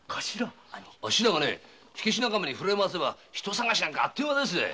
あっしらがふれまわせば人捜しなんかあっという間ですぜ。